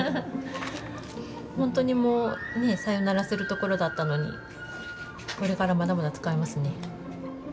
ほんとにもうねさよならするところだったのにこれからまだまだ使えますね。